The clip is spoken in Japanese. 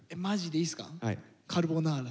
マジでいいっすか？